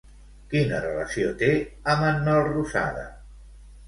Quina relació té amb en Melrosada?